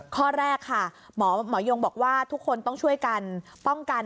ข้อแรกค่ะหมอยงบอกว่าทุกคนต้องช่วยกันป้องกัน